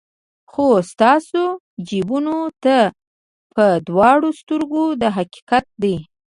خو ستاسو جیبونو ته په دواړو سترګو دا حقیقت دی.